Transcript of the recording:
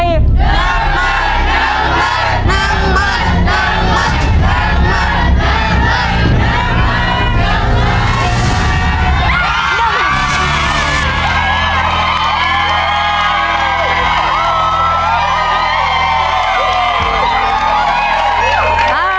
หนังใหม่หนังใหม่